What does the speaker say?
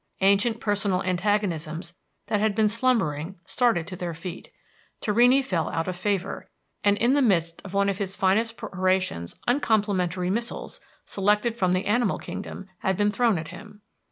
Ancient personal antagonisms that had been slumbering started to their feet. Torrini fell out of favor, and in the midst of one of his finest perorations uncomplimentary missiles, selected from the animal kingdom, had been thrown at him.